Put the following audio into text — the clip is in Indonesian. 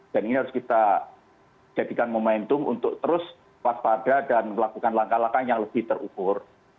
dan ini harus kita jadikan momentum untuk terus waspada dan melakukan langkah langkah yang lebih terukur